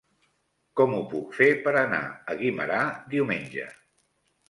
Com ho puc fer per anar a Guimerà diumenge?